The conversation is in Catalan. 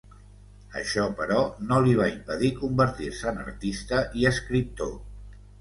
Això, però, no li va impedir convertir-se en artista i escriptor.